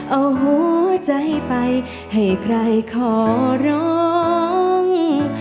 เอาหัวใจไปให้ใครขอร้อง